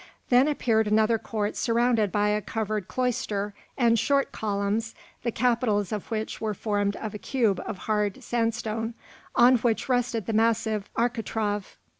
Then appeared another court surrounded by a covered cloister, and short columns, the capitals of which were formed of a cube of hard sandstone, on which rested the massive architrave.